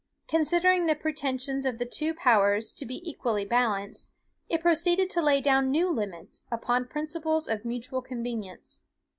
Considering the pretensions of the two powers to be equally balanced, it proceeded to lay down new limits, upon principles of mutual convenience.